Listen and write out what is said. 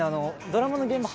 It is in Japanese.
ドラマの現場